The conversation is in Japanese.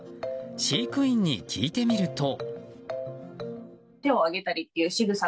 飼育員に聞いてみると。